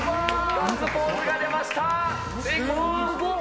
ガッツポーズが出ました。